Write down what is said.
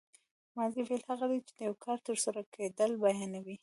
ماضي فعل هغه دی چې د یو کار تر سره کېدل بیانوي.